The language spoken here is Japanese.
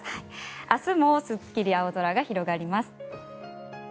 明日もすっきり青空が広がります。